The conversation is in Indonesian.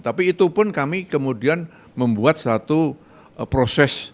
tapi itu pun kami kemudian membuat satu proses